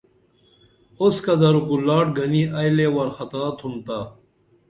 اوسکہ درو کو لاٹ گنی ائی لے وارخطا تُھمتا